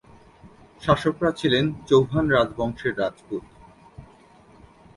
শাসকরা ছিলেন চৌহান রাজবংশের রাজপুত।